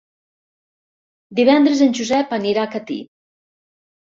Divendres en Josep anirà a Catí.